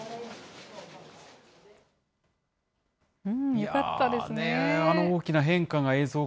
よかったですね。